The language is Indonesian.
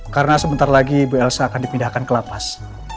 karena sebentar lagi bu elsa akan dipindahkan ke lapas